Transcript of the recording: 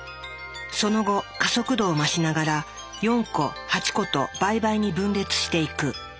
その後加速度を増しながら４個８個と倍々に分裂していく。